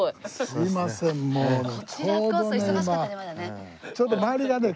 すいませんね。